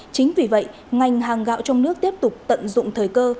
chính vì vậy ngành hàng gạo trong nước tiếp tục tận dụng thời cơ